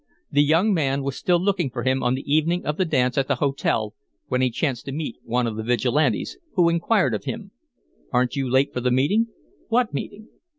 The young man was still looking for him on the evening of the dance at the hotel, when he chanced to meet one of the Vigilantes, who inquired of him: "Aren't you late for the meeting?" "What meeting?"